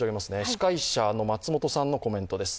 司会者の松本さんのコメントです。